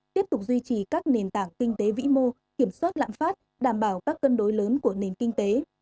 tiếp tục duy trì các nền tảng kinh tế vĩ mô kiểm soát lạm phát đảm bảo các cân đối lớn của nền kinh tế